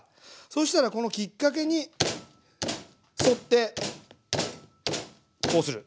そしたらこのきっかけに沿ってこうする。